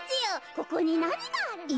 ここになにがあるんじゃ？」。